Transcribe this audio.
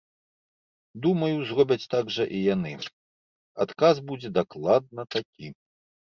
Думаю, зробяць так жа і яны, адказ будзе дакладна такі.